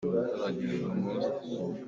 Ka puan ti ah a hnimtu na hngal maw?